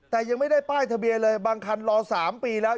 แต่ยังไม่ได้ป้ายทะเบียนเลยบางคันรอ๓ปีแล้ว